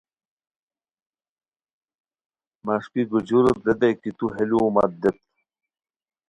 مݰکی گجوروت ریتائے کی تو ہے لوؤ مت دیت